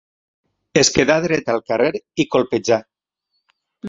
Es quedà dret al carrer i colpejà.